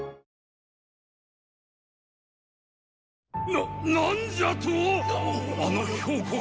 なっ何じゃとォ⁉